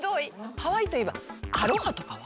ハワイといえばアロハとかは？